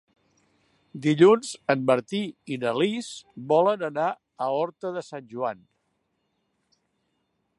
Dilluns en Martí i na Lis volen anar a Horta de Sant Joan.